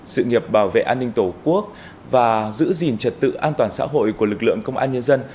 sự nghiệp bảo vệ an ninh tổ quốc và giữ gìn trật tự an toàn xã hội của lực lượng công an nhân dân